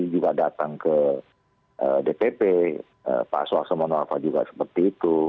juga datang ke dpp pak suarso mono arfa juga seperti itu